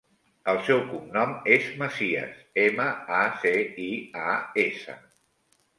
El seu cognom és Macias: ema, a, ce, i, a, essa.